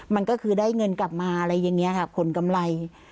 มันก็คือได้เงินกลับมาอะไรอย่างนี้ค่ะผลกำไร